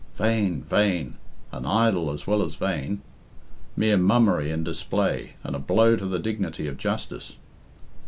Vain, vain, and idle as well as vain! Mere mummery and display, and a blow to the dignity of justice!"